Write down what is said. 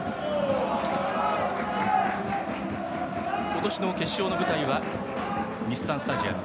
今年の決勝の舞台は日産スタジアム。